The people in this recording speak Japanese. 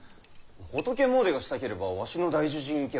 仏詣でがしたければわしの大樹寺に行けばよい。